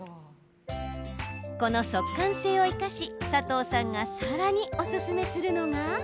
この速乾性を生かし、佐藤さんがさらにおすすめするのが。